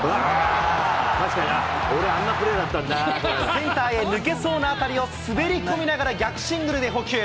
センターへ抜けそうな当たりを滑り込みながら逆シングルで捕球。